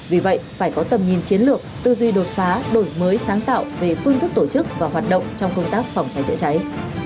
vì vậy phải có tầm nhìn chiến lược tư duy đột phá đổi mới sáng tạo về phương thức tổ chức và hoạt động trong công tác phòng cháy chữa cháy